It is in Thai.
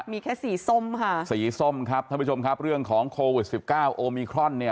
มีแค่สีส้มค่ะสีส้มครับท่านผู้ชมครับเรื่องของโควิดสิบเก้าโอมิครอนเนี่ย